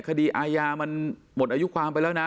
คดีอาญามันหมดอายุความไปแล้วนะ